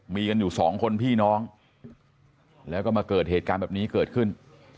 มีกันอยู่สองคนพี่น้องแล้วก็มาเกิดเหตุการณ์แบบนี้เกิดขึ้น